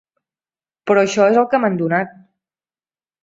Però això és el que m'han donat.